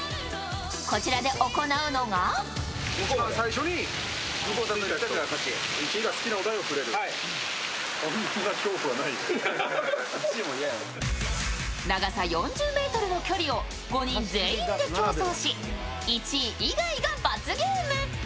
こちらで行うのが長さ４０ｍの距離を５人全員で競争し、１位以外が罰ゲーム。